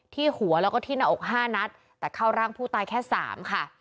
ที่หัวแล้วก็ที่หน้าอก๕นัดแต่เข้าร่างผู้ตายแค่สามค่ะ